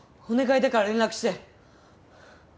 お願いだから連絡して。